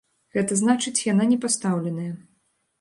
Гэта значыць, яна не пастаўленая.